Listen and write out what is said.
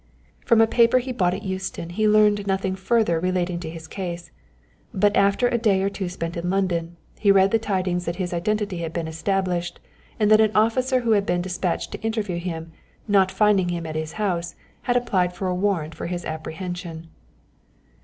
From a paper he bought at Euston he learnt nothing further relating to his case, but after a day or two spent in London, he read the tidings that his identity had been established, and that an officer who had been dispatched to interview him, not finding him at his house, had applied for a warrant for his apprehension.